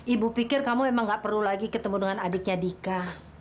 ibu pikir kamu memang gak perlu lagi ketemu dengan adiknya dika